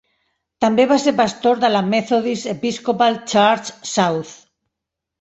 També va ser pastor de la Methodist Episcopal Church South.